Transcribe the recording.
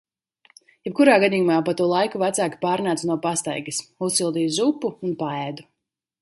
Jebkurā gadījumā pa to laiku vecāki pārnāca no pastaigas. Uzsildīju zupu un paēdu.